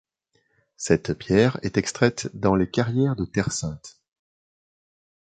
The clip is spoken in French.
Cette pierre est extraite dans les carrières de Terre sainte.